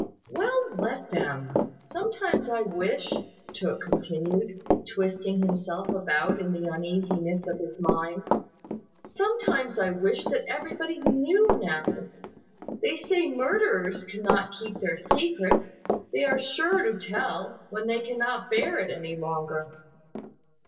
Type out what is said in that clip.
"Well, let them. Sometimes I wish," continued Tooke, twisting himself about in the uneasiness of his mind, "sometimes I wish that everybody knew now. They say murderers cannot keep their secret. They are sure to tell, when they cannot bear it any longer."